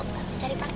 tante cari pakir ya